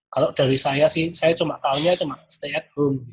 kalau dari saya sih saya cuma tahunya cuma stay at home